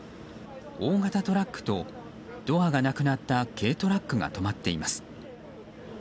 大型トラックとドアがなくなった軽トラックが止まっています。